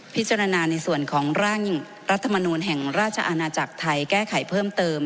ในส่วนของร่างรัฐมนูลแห่งราชอาณาจักรไทยแก้ไขเพิ่มเติม